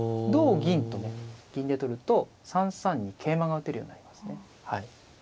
同銀とね銀で取ると３三に桂馬が打てるようになりますね。